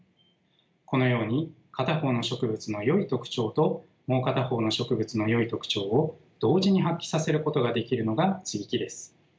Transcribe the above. このように片方の植物のよい特徴ともう片方の植物のよい特徴を同時に発揮させることができるのが接ぎ木です。